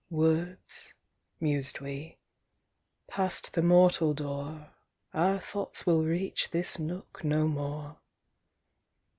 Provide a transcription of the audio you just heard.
... "Words!" mused we. "Passed the mortal door, Our thoughts will reach this nook no more."